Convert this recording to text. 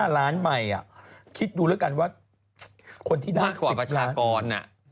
๑๗๕ล้านใหม่อ่ะคิดดูแล้วกันว่าคนที่ได้มากกว่าประชากรอ่ะ